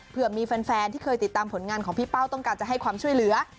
เพื่อมีแฟนที่เคยติดตามผลงานของพี่เป้าต้องการจะให้ความช่วยเหลือ